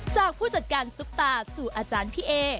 ผู้จัดการซุปตาสู่อาจารย์พี่เอ